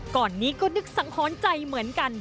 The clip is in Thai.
ก่อนนี้ก็นึกสังหรณ์ใจเหมือนกัน